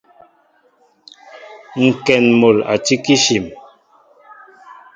Ŋkɛn mol a tí kishin.